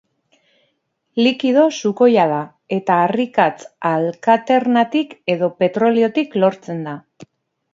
Likido sukoia da, eta harrikatz-alkaternatik edo petroliotik lortzen da.